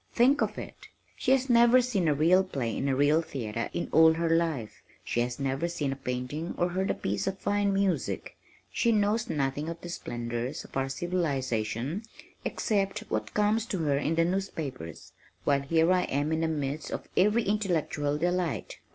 Think of it! She has never seen a real play in a real theater in all her life. She has never seen a painting or heard a piece of fine music. She knows nothing of the splendors of our civilization except what comes to her in the newspapers, while here am I in the midst of every intellectual delight.